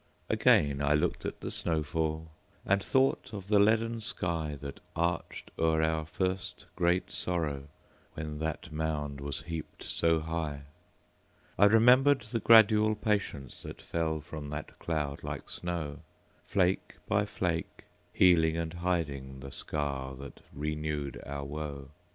Again I looked at the snow fall, And thought of the leaden skyThat arched o'er our first great sorrow, When that mound was heaped so high.I remembered the gradual patienceThat fell from that cloud like snow, Flake by flake, healing and hidingThe scar that renewed our woe.